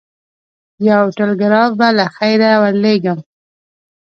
یو ټلګراف به له خیره ورلېږم.